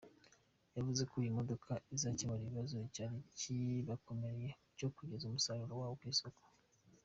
Yavuze ko iyi modoka izakemura ikibazo cyari kibakomereye cyo kugeza umusaruro wabo ku isoko.